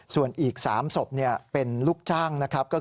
ส่วนอีก๓ศพเป็นลูกจ้างนะครับ